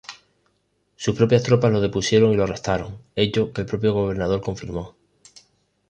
Sus propias tropas lo depusieron y lo arrestaron, hecho que el propio gobernador confirmó.